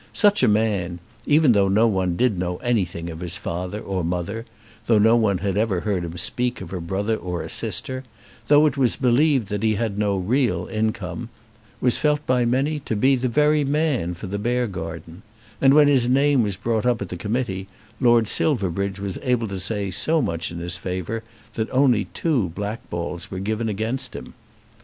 Such a man, even though no one did know anything of his father or mother, though no one had ever heard him speak of a brother or a sister, though it was believed that he had no real income, was felt by many to be the very man for the Beargarden; and when his name was brought up at the committee, Lord Silverbridge was able to say so much in his favour that only two blackballs were given against him.